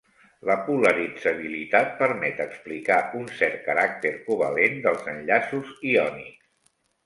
La polaritzabilitat permet explicar un cert caràcter covalent dels enllaços iònics.